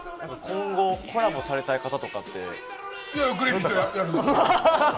今後コラボされたい方とかって？